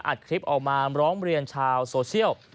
อัดคลิปออกมาร้องเรียนชาวโซเชียล